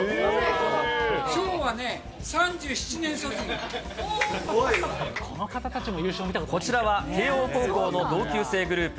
昭和ね、こちらは慶応高校の同級生グループ。